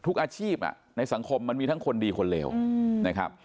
อาชีพในสังคมมันมีทั้งคนดีคนเลวนะครับ